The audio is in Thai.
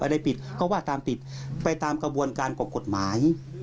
อะไรผิดก็ว่าตามติดไปตามกระบวนการของกฎหมาย